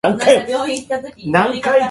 私は日本人であるかと思ったでしょう。